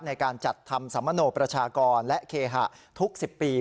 ในการจัดทำสัมมโนประชากรและเคหะทุก๑๐ปี